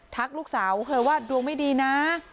ลูกสาวเธอว่าดวงไม่ดีนะ